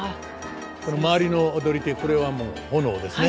周りの踊り手これは炎ですね。